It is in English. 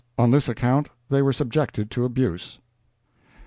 On this account they were subjected to abuse."